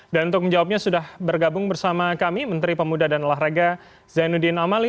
dan untuk menjawabnya sudah bergabung bersama kami menteri pemuda dan lahraga zainuddin amali